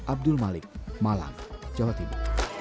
abdul malik malam jawa tiba